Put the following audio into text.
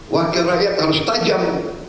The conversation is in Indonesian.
wakil rakyat harus tajam